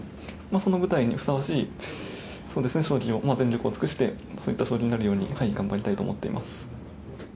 その舞台にふさわしい将棋を全力を尽くして、そういった将棋になるように頑張りたいと思っています。